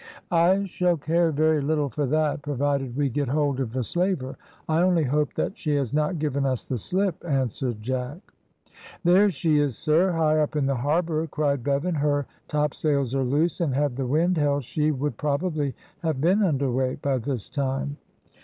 "I shall care very little for that, provided we get hold of the slaver. I only hope that she has not given us the slip," answered Jack. "There she is, sir, high up the harbour," cried Bevan. "Her topsails are loose, and had the wind held she would probably have been under weigh by this time."